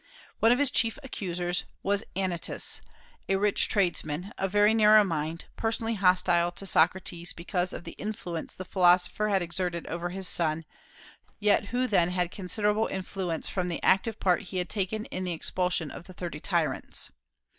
One of his chief accusers was Anytus, a rich tradesman, of very narrow mind, personally hostile to Socrates because of the influence the philosopher had exerted over his son, yet who then had considerable influence from the active part he had taken in the expulsion of the Thirty Tyrants.